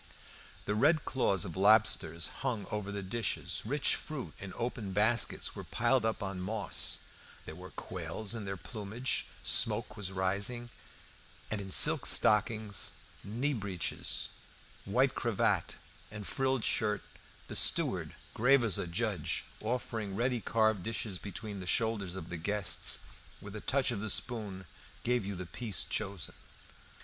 The red claws of lobsters hung over the dishes; rich fruit in open baskets was piled up on moss; there were quails in their plumage; smoke was rising; and in silk stockings, knee breeches, white cravat, and frilled shirt, the steward, grave as a judge, offering ready carved dishes between the shoulders of the guests, with a touch of the spoon gave you the piece chosen.